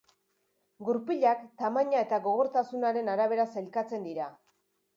Gurpilak tamaina eta gogortasunaren arabera sailkatzen dira.